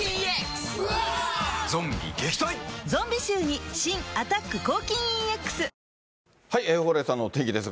ゾンビ臭に新「アタック抗菌ＥＸ」蓬莱さんのお天気です。